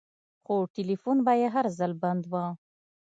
خو ټېلفون به يې هر ځل بند و.